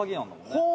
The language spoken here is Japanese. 「ほう！」